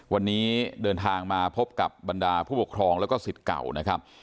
วันนี้เดินทางมาพบกับบรรดาผู้ปกครองแล้วก็สิทธิ์เก่านะครับ